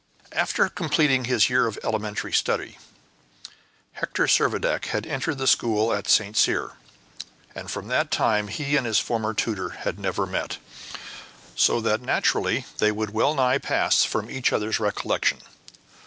After completing his year of elementary studies, Hector Servadac had entered the school at Saint Cyr, and from that time he and his former tutor had never met, so that naturally they would well nigh pass from each other's recollection.